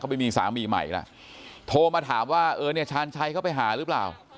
เขาไปมีสามีใหม่แล้วโทรมาถามว่าชาญชัยเขาไปหาหรือเปล่า